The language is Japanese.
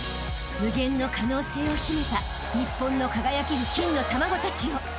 ［無限の可能性を秘めた日本の輝ける金の卵たちよ］